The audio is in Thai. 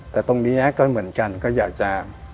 แต่ตรงนี้ก็เหมือนกันก็อยากจะ